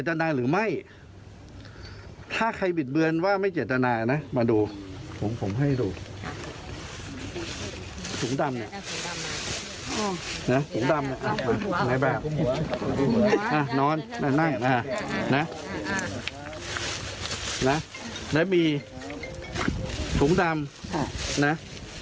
ถุงดำเนี่ยถุงดำไหนแบบนอนนั่งนะและมีถุงดำ